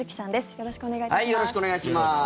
よろしくお願いします。